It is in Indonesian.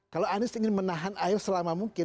kalau anies ingin menahan air selama mungkin